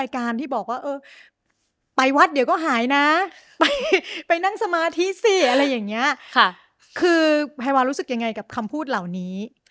คือแพวารู้สึกยังไงกับคำพูดเหล่านี้